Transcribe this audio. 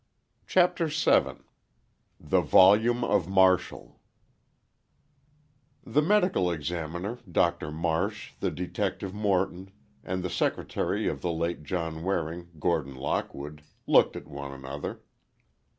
CHAPTER VII THE VOLUME OF MARTIAL The Medical Examiner, Doctor Marsh, the Detective Morton, and the Secretary of the late John Waring, Gordon Lockwood, looked at one another.